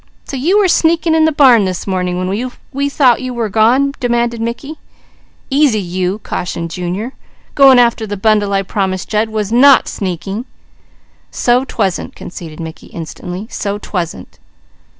"So you were sneaking in the barn this morning, when we thought you were gone?" demanded Mickey. "Easy you!" cautioned Junior. "Going after the bundle I promised Jud was not sneaking " "So 'twasn't," conceded Mickey, instantly. "So 'twasn't!"